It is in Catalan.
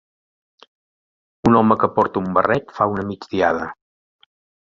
Un home que porta un barret fa una migdiada.